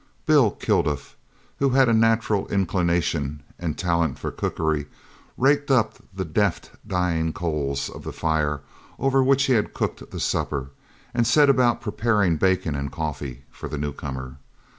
Bill Kilduff, who had a natural inclination and talent for cookery, raked up the deft dying coals of the fire over which he had cooked the supper, and set about preparing bacon and coffee for the newcomer.